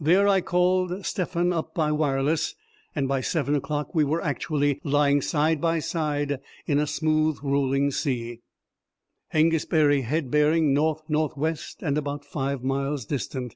There I called Stephan up by wireless, and by seven o'clock we were actually lying side by side in a smooth rolling sea Hengistbury Head bearing N.N.W. and about five miles distant.